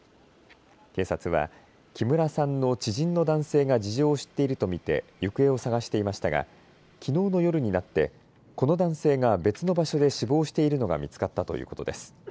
警察は木村さんの知人の男性が事情を知っていると見て行方を捜していましたがきのうの夜になってこの男性が別の場所で死亡しているのが見つかったということです。